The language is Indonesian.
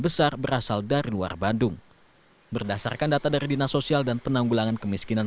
besar berasal dari luar bandung berdasarkan data dari dinas sosial dan penanggulangan kemiskinan